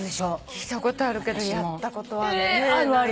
聞いたことあるけどやったことはねえないよね。